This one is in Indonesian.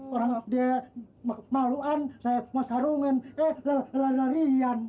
orang dia kemaluan saya mas harungan eh lari larian